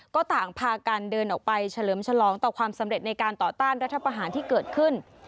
ก็ต่างพากันเดินออกไปเฉลิมฉลองต่อความสำเร็จในการต่อต้านรัฐประหารที่เกิดขึ้น